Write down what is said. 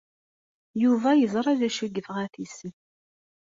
Yuba yeẓra d acu ay yebɣa ad t-isel.